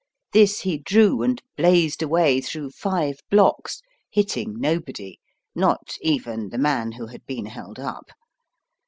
This he drew and hlazed away through five blocks, hitting nobody, not even the man who had been " held up."